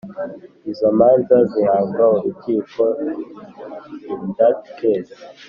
izo manza zihabwa urukiko In that case